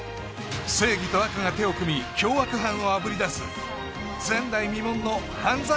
正義と悪が手を組み凶悪犯をあぶり出す前代未聞の犯罪